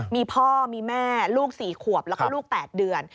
มีพ่อมีแม่ลูก๔ขวบแล้วก็ลูก๘เดือน